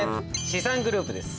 資産グループです。